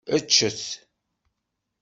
Eččet!